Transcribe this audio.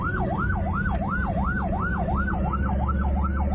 เพิ่มแรงราดอฟเทอมนมรับทราบ